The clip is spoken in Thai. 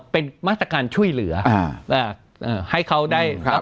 เป็นมาตรการช่วยเหลืออ่าเอ่อเอ่อให้เขาได้ครับ